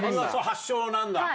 発祥なんだ。